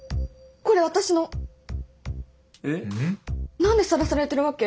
何でさらされてるわけ？